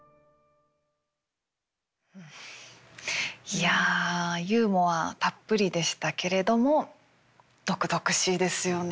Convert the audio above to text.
いやユーモアたっぷりでしたけれども毒々しいですよね。